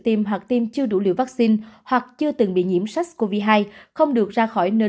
tiêm hoặc tiêm chưa đủ liều vaccine hoặc chưa từng bị nhiễm sars cov hai không được ra khỏi nơi